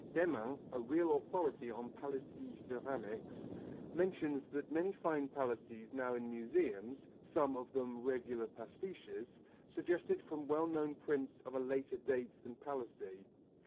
Demmin, a real authority on Palissy ceramics, mentions many false Palissys now in museums, some of them regular pastiches, suggested from well known prints of a later date than Palissy.